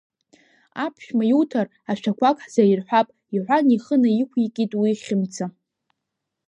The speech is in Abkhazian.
Аԥшәма иуҭар, ашәақәак ҳзаирҳәап, — иҳәан ихы наиқәикит уи Хьымца.